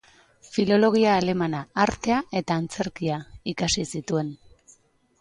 Filologia alemana, artea eta antzerkia ikasi zituen.